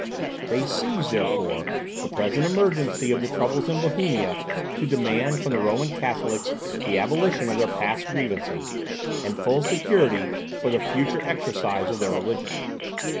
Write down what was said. They seized, therefore, the present emergency of the troubles in Bohemia to demand from the Roman Catholics the abolition of their past grievances, and full security for the future exercise of their religion.